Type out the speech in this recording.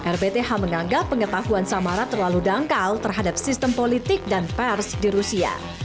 rbth menganggap pengetahuan samara terlalu dangkal terhadap sistem politik dan pers di rusia